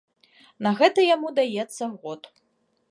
На гэта яму даецца год.